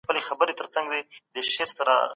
تمرکز کم وي.